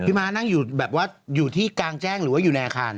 พี่ม้านั่งอยู่ที่กลางแจ้งหรืออยู่ในอาคาร